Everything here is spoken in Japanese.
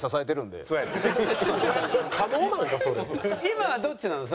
今はどっちなの？